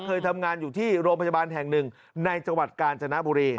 เคยทำงานอยู่ที่โรงพยาบาลแห่งหนึ่งในจังหวัดกาญจนบุรี